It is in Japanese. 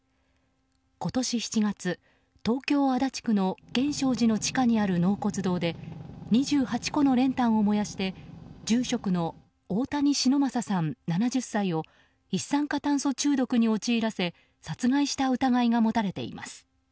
今年７月、東京・足立区の源証寺の地下にある納骨堂で２８個の練炭を燃やして住職の大谷忍昌さん、７０歳を一酸化炭素中毒に陥らせ殺害した疑いが持たれています。